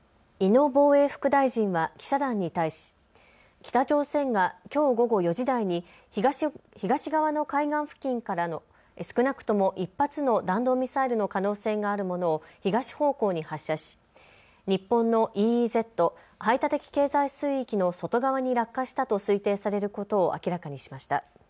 井野防衛副大臣は記者団に対し、北朝鮮がきょう午後４時台に東側の海岸付近からの少なくとも１発の弾道ミサイルの可能性があるものを東方向に発射し日本のＥＥＺ・排他的経済水域の外側に落下したと推定されることを明らかにしました。